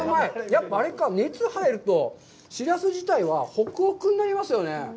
やっぱりあれか、熱入ると、しらす自体はホクホクになりますよね。